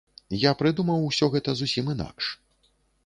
Я прыдумаў усё гэта зусім інакш.